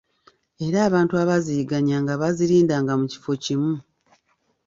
Era abantu abaaziyigganyanga baazirindiranga mu kifo kimu.